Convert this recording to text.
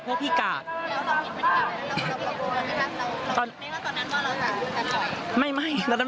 ไม่ว่าตอนนั้นว่าเราจะถอย